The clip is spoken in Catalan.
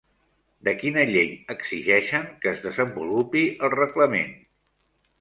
De quina llei exigeixen que es desenvolupi el reglament?